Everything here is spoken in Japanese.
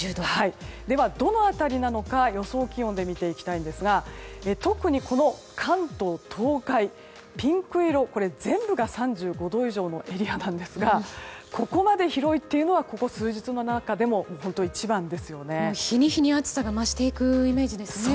では、どの辺りなのか予想気温で見ていきたいんですが特に関東・東海、ピンク色これ全部が３５度以上のエリアなんですがここまで広いというのはここ数日の中でも日に日に暑さが増していくイメージですね。